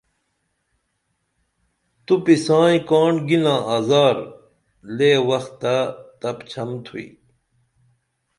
تُپی سائیں کاڻ گِنا ازار لے وختہ تپچھن تُھوئی